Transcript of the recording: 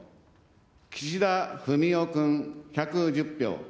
岸田文雄君１１０票。